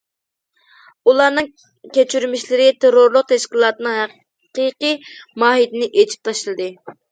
ئۇلارنىڭ كەچۈرمىشلىرى تېررورلۇق تەشكىلاتىنىڭ ھەقىقىي ماھىيىتىنى ئېچىپ تاشلىدى.